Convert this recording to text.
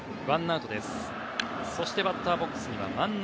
バッターボックスには、万波。